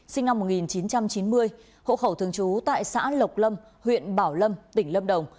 sinh năm một nghìn chín trăm chín mươi hộ khẩu thường trú tại xã lộc lâm huyện bảo lâm tỉnh lâm đồng